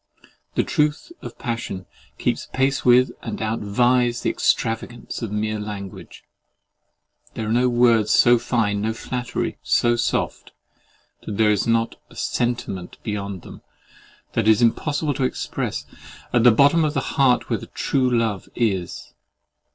The truth of passion keeps pace with and outvies the extravagance of mere language. There are no words so fine, no flattery so soft, that there is not a sentiment beyond them, that it is impossible to express, at the bottom of the heart where true love is.